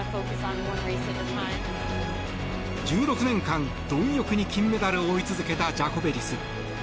１６年間、どん欲に金メダルを追い続けたジャコベリス。